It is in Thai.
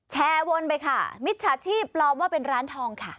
วนไปค่ะมิจฉาชีพปลอมว่าเป็นร้านทองค่ะ